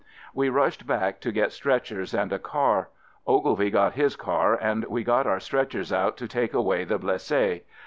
We rushed back to get stretchers and a car. Ogilvie got his car and we got our stretchers out to take away the blesses.